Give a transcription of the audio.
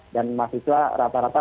dan mahasiswa rata rata